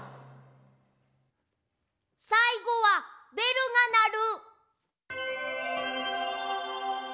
さいごは「べるがなる」。